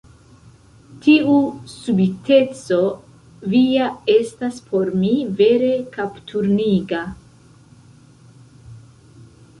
Tiu subiteco via estas por mi vere kapturniga.